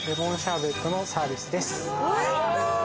おいしそう！